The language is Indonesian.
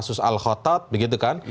kasus al khotab begitu kan